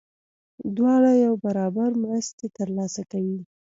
دواړه یو برابر مرستې ترلاسه کوي.